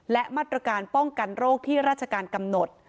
และมาตรการป้องกันโรคที่ราชการกำหนด